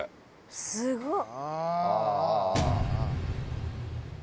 すごっ！